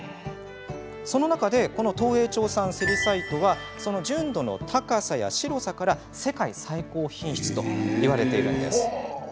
その中でこの東栄町産セリサイトはその純度の高さや白さから世界最高品質といわれています。